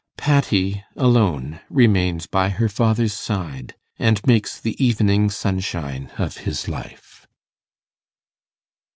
Patty alone remains by her father's side, and makes the evening sunshine of his life.